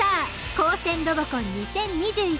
「高専ロボコン２０２１」